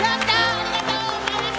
ありがとうございます！